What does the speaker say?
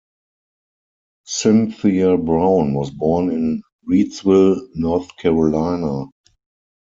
Cynthia Brown was born in Reidsville, North Carolina.